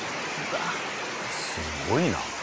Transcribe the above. すごいな。